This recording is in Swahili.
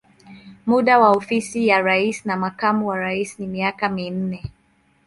Muda wa ofisi ya rais na makamu wa rais ni miaka minne.